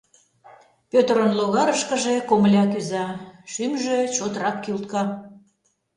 Пӧтырын логарышкыже комыля кӱза, шӱмжӧ чотрак кӱлтка.